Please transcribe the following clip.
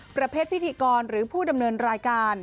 ประเภทพิธีกรหรือผู้ดำเนินรายการ